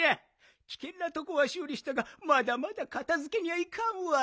きけんなとこはしゅうりしたがまだまだかたづけにゃいかんわい。